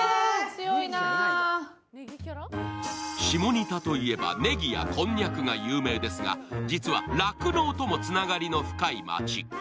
下仁田といえばねぎやこんにゃくが有名ですが、実は酪農ともつながりの深い町。